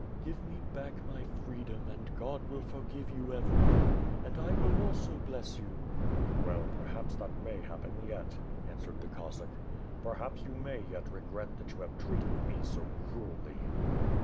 "Give me back my freedom, and OoA will forgive yon everything, and I will also bless yon." WITH FIRE AND SWORD. ^^i "Well, perhaps that may happen ye t/^ answered the Cos sack. "Perhaps you may yet regret that you have treated me so cruelly."